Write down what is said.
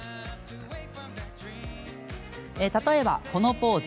例えば、このポーズ。